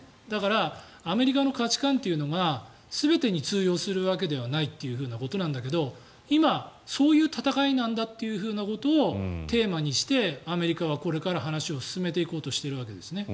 だからアメリカの価値観というのが全てに通用するわけではないということなんだけど今、そういう戦いなんだっていうふうなことをテーマにしてアメリカはこれから話を進めていこうとしているわけです。